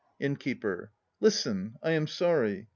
INNKEEPER. Listen. I am sorry.